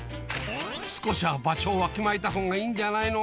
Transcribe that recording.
少しは場所をわきまえた方がいいんじゃないの？